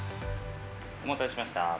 お待たせいたしました。